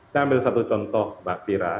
saya ambil satu contoh mbak fira